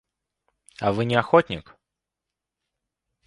А вы не охотник?